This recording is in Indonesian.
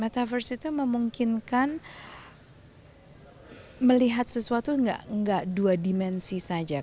metaverse itu memungkinkan melihat sesuatu nggak dua dimensi saja